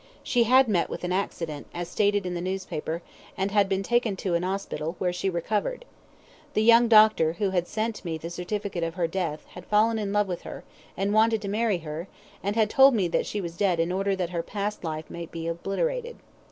She had met with an accident, as stated in the newspaper, and had been taken to an hospital, where she recovered. The young doctor, who had sent me the certificate of her death, had fallen in love with her, and wanted to marry her, and had told me that she was dead in order that her past life might be obliterated.